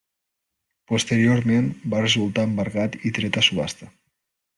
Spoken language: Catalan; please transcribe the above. Posteriorment, va resultar embargat i tret a subhasta.